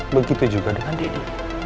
begitu juga dengan daddy